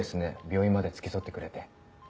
病院まで付き添ってくれて。